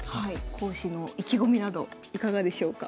講師の意気込みなどいかがでしょうか？